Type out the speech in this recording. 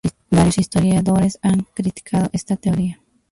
Varios historiadores han criticado esta teoría.